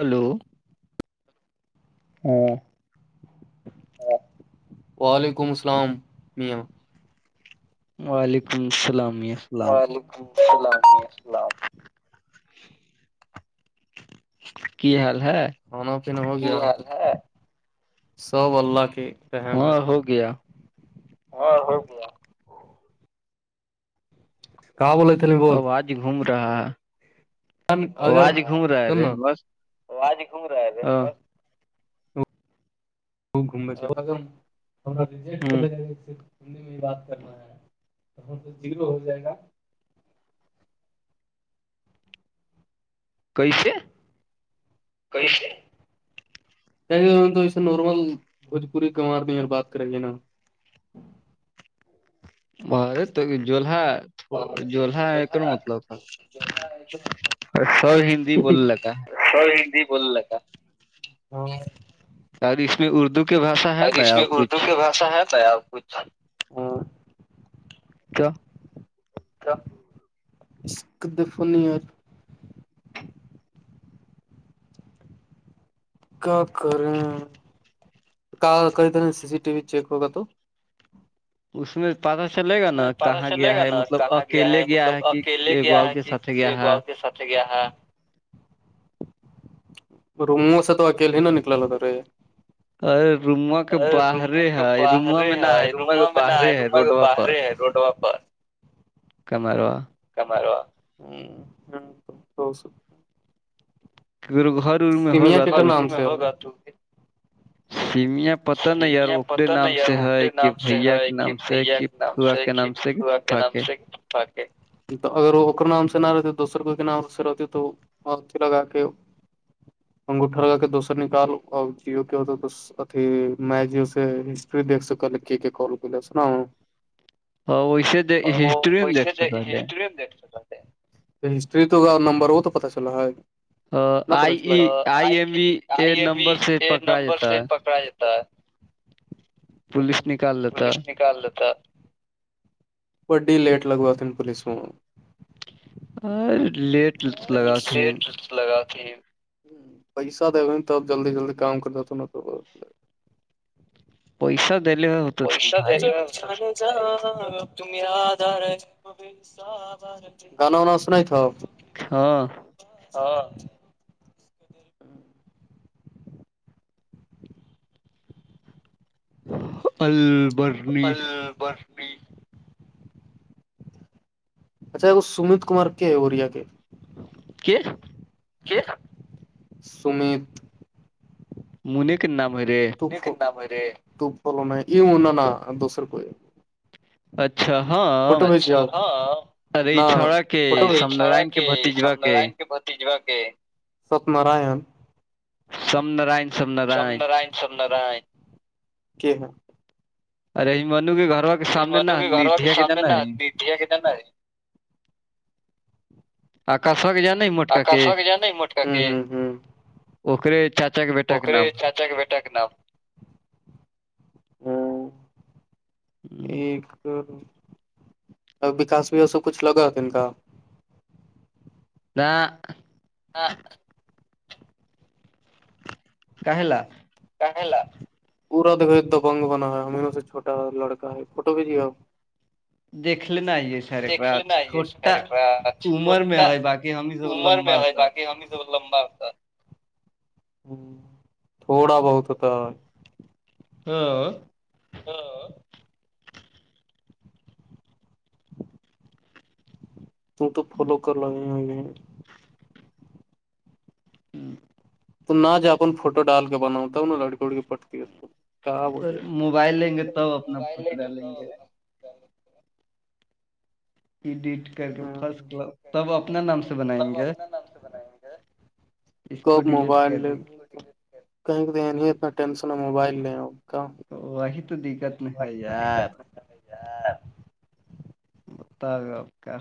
hello ہاں وعلیکم السلام میاں وعلیکم السلامی السلام وعلیکم السلام السلام کی حال ہے کھانا پین ہو گ ہے سب اللہ کی ش اور ہو گیا کہاں بول آواز گھوم رہا ہے وہ آج گھوم رہے رے بس ا خ گوم گ میں بات کرنا ہے تو تو زیرو ہو جائے گا کئیس کرشک ے نارمل بھوجپوری کار میں بات کریں گے نا اور تو جلہحا تھ جلہا ایک مطلب تھا سب ہندی بولنے لگا ہے س ہندی بوللا کا یار اس میں اردو کے بھاشا ہے نیا کچھ اچھا ہےتاار کچھ ہ کیا اسک د فنی قات کریں ک کئی تنے C C T V check ہوگا تو اس میں پتا چلے گا نا کہاں گیا ہے مطلب اکیلے گیا ہے کہ ایکواؤ کے س گیا ہے سے کیایا ہےا مو ات تو اکل ہی نا نکل ہو تھارے ارے روما کے باہرے ہے رما میں نہا ہے روما کے باہرے ہے روڈ وا ب کمیروا کمارو آ ہ ہ تو س گھر میں ہوگا توے ہوگات تو سمیاں پت نہیں یار اے نام سے ہے کہ بھیا کے نام سے ہے کہ فوا کے نام سے سے تو اگر وہ نام سے نہ رہتی دوسر کو کے نام رہتی تو اورھی لگا کے انگوٹا لگا کے دوسر نکال اور جیو کیا ہوتا تو ت میں جی اسے ہسٹری دیک س کی کال ل ن اور پیسے ہسٹری میں د سکتے ہسٹری تو نمبر وہ تو پتا چلا ہے ئی ای نمبر سے پک تا ہے ہ پولیس نکال دیتا بی لیٹ لگوا تین پلیس کو اور لیٹ سٹ لگاتی پیسہ د تب جلدی جلدی کام کر جا ن تو پیسا دے پیشہان جا تم آدار گانا وانا سن تھپ ہاں ہاں البر ال ب اچھا اگ سمت کمار ہے اوریا کے کی تھا سمیت منی کنا میرے پ کلنا یہ ہونا نا دوسر کوئی فٹو میںچ نہ فٹ چڑا کہ سائن بھتیجوا کہ ست نارائن سم نارائن سم نارائن سم نارائن کی ہے ارے منو کے گھر والا کے سامنے نا ندھیا کے جانا ہے آ کاا فاغ جا نہیں موٹا کے اکے چاچا کے بیٹا کے نام ہاں ایک ا وکاس بھی سب کچھ لگان کا د ہ کیالا پورا دیکھو د بنگ بنا ہو ہے ہمینوں سے چھوٹا لڑکا ہے فھوٹو بھیجیے آپ دیک لے ن دیک لینا یہ س ڈرا چھوٹا عمر میں ہے باقی ہم لمبا ہو ہ تھوڑا بہت ہوتا ہاں ہاں ت تو فالو کر لگے ہیں آ ہیں ہوں تو نہ جبن فوٹو ڈال کے بناؤتا نا لڑکی وڑکی پٹتی ہے اور موبائل لیں گے تب اپنا فوٹو ڈالیں گے ایڈٹ کر کے فرسٹ کس تب اپنا نام سے بنائیں گے خ موبائل کہیں کہ د نہیں ہی اتنا ٹینشن ہے موبائل ل ہو کا تو وہی تو دقت نہیں ہے یار بتا گا ا کیا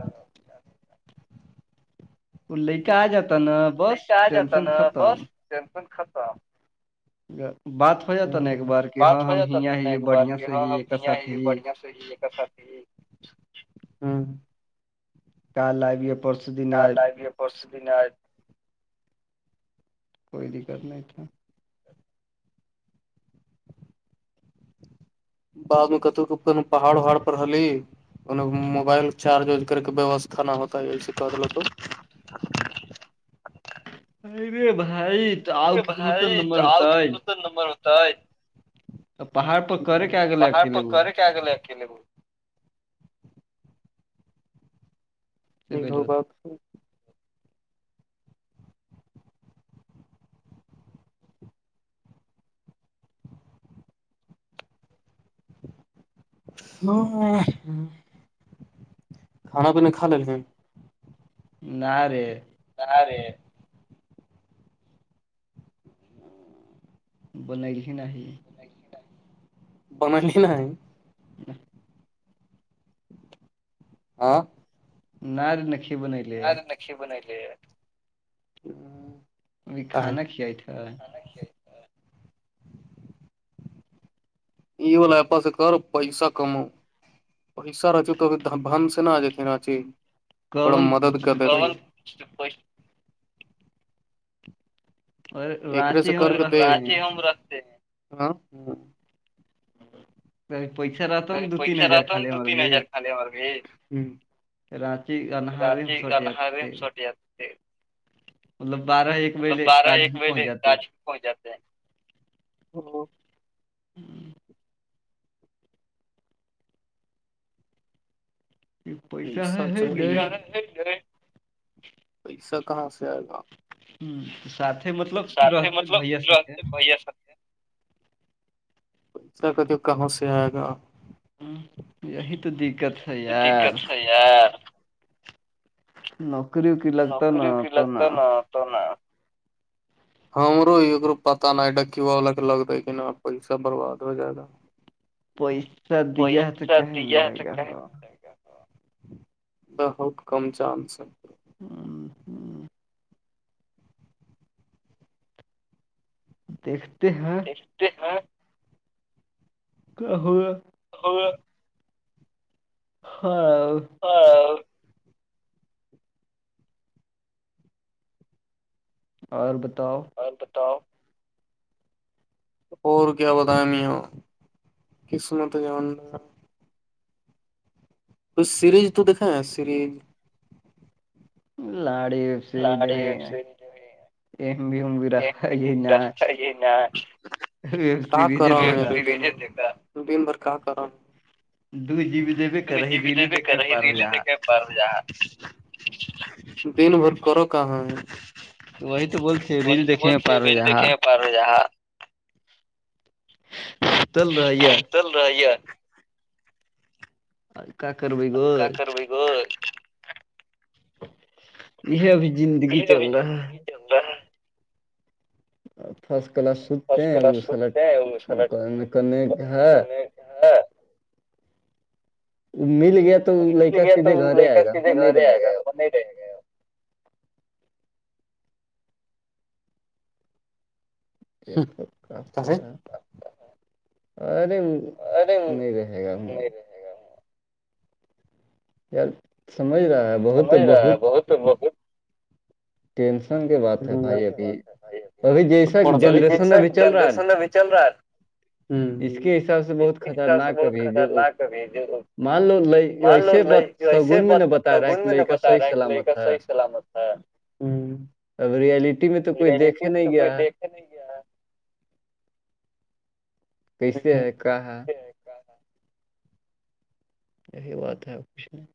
[inaudible] وہ لے کا آ جاتا نا د آ جاتا نا بس سم پون کسا بات ہ بات ہو جاتا ایک بار کہ ہاں ہم یہ ہی بڑھیا تو ہی سات ہ کال آب گے پرسو دن آئے کس دن آئے کوئی دقت نہیں اتا بد میں کت کن پہاڑ اہاڑ پر حی ان موبائل چارج وج کر کے ویوستھا نہ ہوتا ہے یہی سے کہ د لو تو ا ر بھائی ے بھائی تو آؤ کتت نمبر ہوت ہے باہر پر کرے کیا آگل اکیلے ب یہ ہو بات ہے ہاں کھانا پین کھا ل میں نہرے س رے بنائی ہے نہاہی بنلی نہیں ہ ہاں نہ ر ن کھی بنلیے پ بنا ہ ابھی کھانا کھیائی تھا یہوول ایپاس کار پیسہ کما حسہ رہ تو ا بن سے نہا آ جاتتی راچی تھوڑا مدد کرتےتے اس پ ایکر سے کر ر ہاں ہ تو پیسا ر پیشا رہاتا ہ ن دو تین ہزار خال مارے ہ رات اننہارم سوٹی ج مطلب بارہ ایک مہنے راج پہنچ جاتے ہیں ہوں جی سب چل ھیک ہے [unintelligible] [inaudible] اس سے کہاں سے آئے گا ہ س مطلب رہتے بھیا س پیسا کا جو کہاں سے آئے گا ہ یہی تو دقت ہے ار ہاں نوکری وکری نوکری وکری لگتا نا تو ن ہمرو پتہ نا ڈکیوا والا کے لگ د ہے ن پیسا برباد ہو جائے گا [inaudible] پیسہ دیا تو کہن لگا ہو بہت کم چانس ہیں ہ ہوں دیکھتے ہیں س ہاں [unintelligible] قہ [unintelligible] اور [unintelligible] ہاں ہ [unintelligible] اور ب اور بتاوہ اور کیا بتائ م یہ قسمت ج تو سیریز تو دیکا سیریز لاڑی لاڑی ا س جو بھی بھی رائی ن کا کرا بیم بر کا کرا جب جب کر رہی ت دی تھ کہ پرر جا دن بھر کرو کہاں ہے وہی تو بہت بھی دیکھے میں پ رہے ج ہاں ستل رہی ہے چل رہا ہے اور کیا کر ب گ وہ [unintelligible] یہ ابھی زندگی چل رہا ہے ہو ہے [unintelligible] فرسٹ کلاس ستے ا سل کرنے ہے مل گیا مل گیا تو لڑکا سیدھے گھر آئےا وہ نہیں رہے گا د کاتا ہے ارے نہیں رہے گا ہ [unintelligible] یار سمجھ رہا ہے سمجھ رہا ہے بہت بہت ٹینشن کی بات ہے بھائی ابھی ابھی جیسا جنریشن ابھی چل رہا ہے نا اس کے حساب سے بہت خطرناک ابھی جو مان لو لئی ایسے سگن میں نہیں بتا رہا ہے کہ لئی کا صحیح سلامت ہے ہاں [inaudible] ہوں اب ریلٹی میں تو کوئی دیکھے نہیں گیا ہے کیا نہیں کیا [unintelligible] کیسے ہے کہ ہے [unintelligible] یہی بات ہے کچھ نہیں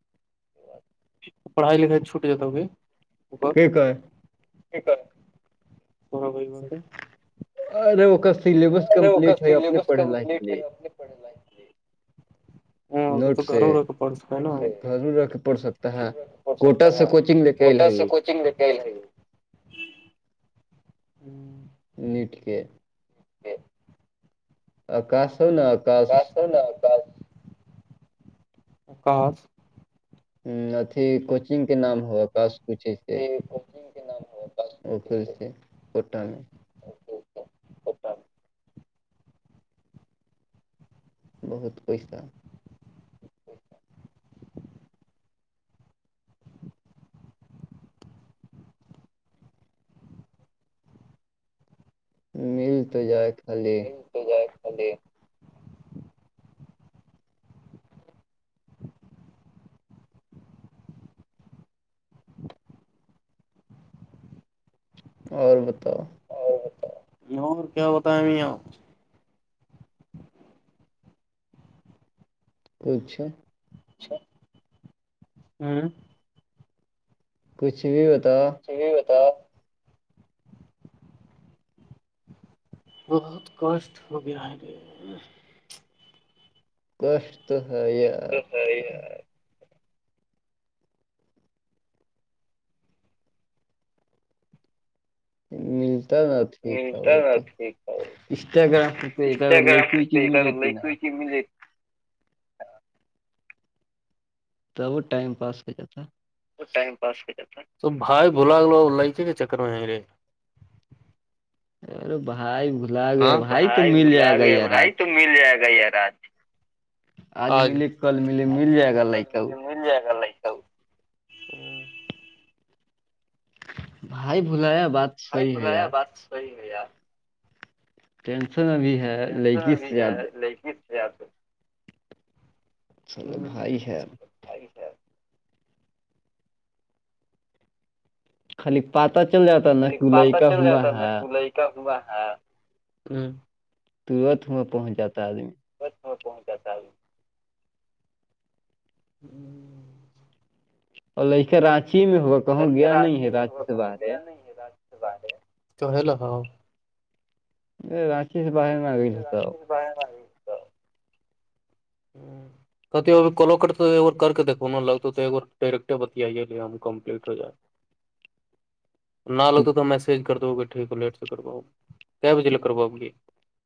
پڑھائی لکھائی چھوٹ جتا گ اوپر وہ کوئی بے [inaudible] ارے وہ سلبس وہ کا سلیبس کمپلیٹ ہونے پڑے لائ [unintelligible] نوٹ سے ضور ر کے پڑ سکتا ہے ہو سکتا ہے کوٹر سے کوچنگ بھی کیائی رہ گی ں [inaudible] نیٹ کے [unintelligible] ج [unintelligible] آکاش ہ نا [unintelligible] گس ہے ن کس کس [unintelligible] ہ اھی کوچنگ کے نام ہوا کاش پوچی سے [unintelligible] ا کل سے کٹ میں [inaudible] بہت پیسہ مل تو جائے خالی پ جاے [unintelligible] اور بتاؤ یہ اور کیا ہوتا [inaudible] ٹیکچ [unintelligible] اچا ہوں [unintelligible] کچھ بھی ہوتاؤ [unintelligible] ج ہو تھا [unintelligible] بہت کاسٹ ہو گا ہے کشت ہے یار کا [unintelligible] ملتا نا [unintelligible] ملتا ہے نا ٹھیک ہے وہ اسٹا گگرام لس کی مل [inaudible] ت وہ ٹائم پاس ہو جاتا ہے [unintelligible] ٹائم پاس تو بھائی بلا گلا کے کے چکر میں ہیں میرے ارے بھائی بھلا گیا بھائی تو مل جائے گا یار آج [unintelligible] مل جائے گا یار آج آج ملے کل ملے مل جائے گا لائک وہ [unintelligible] مل جائے گا ل [unintelligible] تو [unintelligible] بھائی بھلایا بات بھائی بلایا بات صحیح ہے یار ٹینشن ابھی ہے لے گی زیادہ چلو بھائی ہے خالی پات چل جاتا نا کہ لئی کا ہوا ہے [unintelligible] ہوا ہاں ہ [unintelligible] تورت میں پہنچ جاتا ہے آدمی بچت میں پہنچاتا ہ ہوں [unintelligible] اور لک رانچی میں ہوا کہوں گیا نہیں ہے رانچی سے باہر ہے تو ہیلو ہ [unintelligible] یہ راچی سے باہر نہگئی تھتا ہو ہ [inaudible] کب کالو کرار کر کے دھو نا لگتا توار ڈائریکٹ بتئیے ہم کمپلیٹ ہو جائے [inaudible] نہ لگتے تو میسج کر دو گ ٹھیک ہو لیٹ سے کرواؤ کی بجے لگ کرواؤ گے